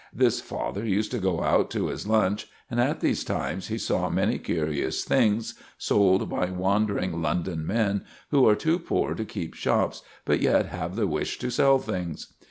This father used to go out to his lunch, and at these times he saw many curious things sold by wandering London men who are too poor to keep shops, but yet have the wish to sell things.